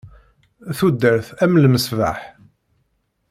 Tudert am lmesbeḥ.